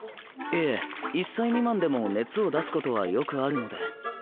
いえ１歳未満でも熱を出すことはよくあるので。